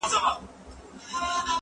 زه اجازه لرم چي کتابونه وليکم!؟!؟